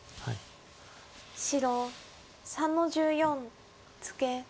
白３の十四ツケ。